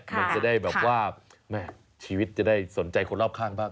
มันจะได้แบบว่าแม่ชีวิตจะได้สนใจคนรอบข้างบ้าง